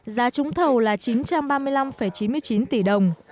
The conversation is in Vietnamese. giá trúng thầu là chín trăm ba mươi năm chín mươi chín tỷ đồng